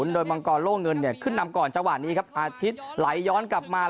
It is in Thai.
โดยมังกรโล่เงินเนี่ยขึ้นนำก่อนจังหวะนี้ครับอาทิตย์ไหลย้อนกลับมา